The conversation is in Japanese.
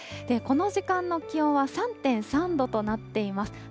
この時間の気温は３．３度となっています。